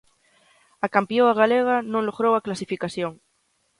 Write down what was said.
A campioa galega non logrou a clasificación.